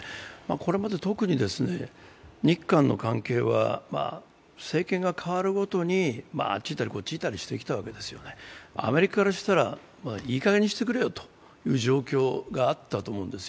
これまで特に日韓の関係は、政権が代わるごとにあっちいったり、こっちいったりしてきたわけです、アメリカからしたらいいかげんにしてくれよという状況があったと思うんです。